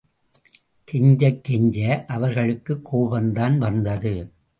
கெஞ்சக் கெஞ்ச, அவர்களுக்குக் கோபம்தான் வந்தது.